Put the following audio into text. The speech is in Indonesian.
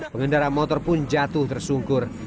pengendara motor pun jatuh tersungkur